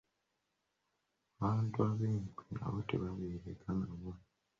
Abantu b'enkwe nabo tebabeereka nabo.